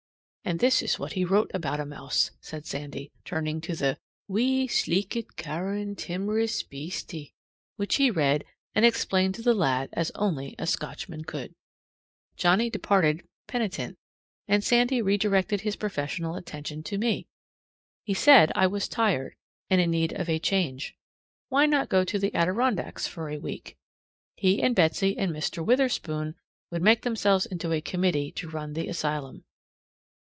"And this is what he wrote about a mouse," said Sandy, turning to the "Wee, sleekit, cow'rin, timorous beastie," which he read and explained to the lad as only a Scotchman could. Johnnie departed penitent, and Sandy redirected his professional attention to me. He said I was tired and in need of a change. Why not go to the Adirondacks for a week? He and Betsy and Mr. Witherspoon would make themselves into a committee to run the asylum.